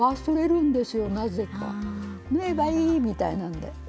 縫えばいいみたいなんで。